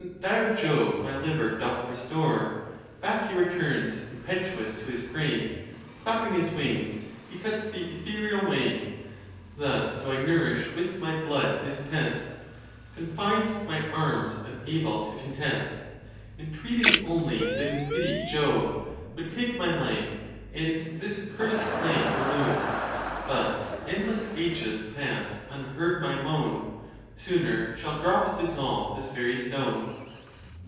dire Jove my liver doth restore, Back he returns impetuous to his prey, Clapping his wings, he cuts th' ethereal way. _ Thus do I nourish with my blood this pest, Confined my arms, unable to contest ; Entreating only that in pity Jove Would take my life, and this cursed plague remove. But endless ages past unheard my moan, Sooner shall drops dissolve this very stone.?